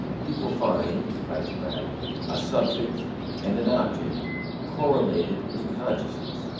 "People find", writes Bradley, "a subject and an object correlated in consciousness....